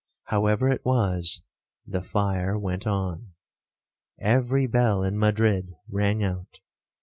However it was, the fire went on. Every bell in Madrid rang out.